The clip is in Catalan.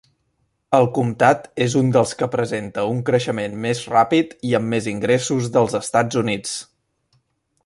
El comtat és un dels que presenta un creixement més ràpid i amb més ingressos dels Estats Units.